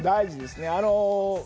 大事ですね。